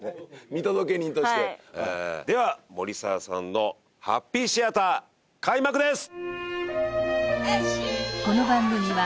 見届け人としてでは森澤さんのハッピーシアター開幕です！